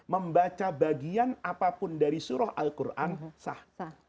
membaca bagian apapun dari surah al quran sah